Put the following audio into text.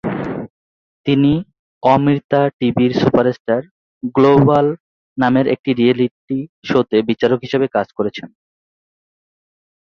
তিনি অমৃতা টিভির superstar global নামের একটি রিয়েলিটি শোতে বিচারক হিসেবে কাজ করেছেন।